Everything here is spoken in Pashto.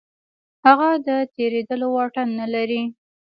هغه د تېرېدلو توان نه لري.